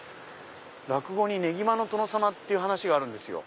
落語に『ねぎまの殿様』って話があるんですよ。